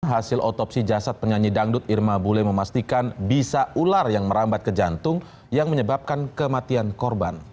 hasil otopsi jasad penyanyi dangdut irma bule memastikan bisa ular yang merambat ke jantung yang menyebabkan kematian korban